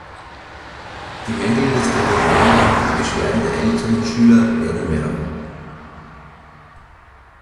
Die Mängelliste wird länger, die Beschwerden der Eltern und Schüler werden mehr.